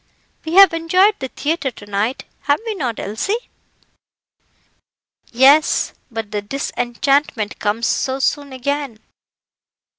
We have enjoyed the theatre to night, have we not, Elsie?" "Yes, but the disenchantment comes so soon again."